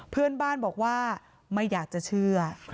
เพื่อนบ้านบอกว่าไม่อยากจะเชื่อ